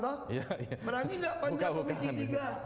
berani gak panjang komisi tiga